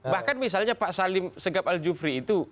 bahkan misalnya pak salim segap aljufri itu